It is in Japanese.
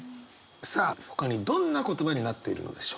さあほかにどんな言葉になっているのでしょうか？